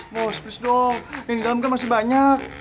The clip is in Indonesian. bos please dong ini dalem kan masih banyak